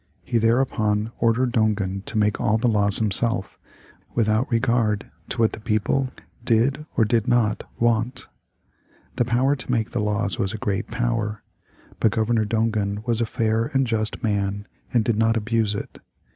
He thereupon ordered Dongan to make all the laws himself, without regard to what the people did or did not want. The power to make the laws was a great power, but Governor Dongan was a fair and just man and did not abuse it.